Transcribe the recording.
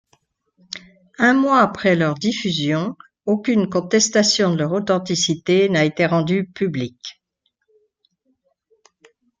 Un mois après leur diffusion aucune contestation de leur authenticité n'a été rendue publique.